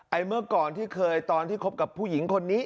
เมื่อก่อนที่เคยตอนที่คบกับผู้หญิงคนนี้